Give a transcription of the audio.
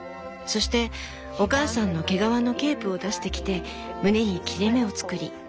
そしてお母さんの毛皮のケープを出してきて胸に切れ目を作り